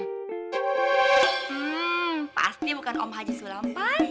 hmm pasti bukan om haji sulam pak